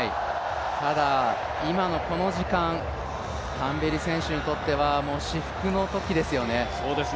ただ、今のこの時間、タンベリ選手にとっては至福の時ですよね。